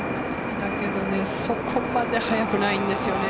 そこまで速くないんですよね。